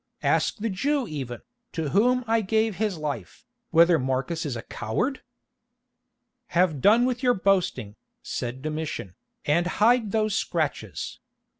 Ask that Jew even, to whom I gave his life, whether Marcus is a coward?" "Have done with your boasting," said Domitian, "and hide those scratches.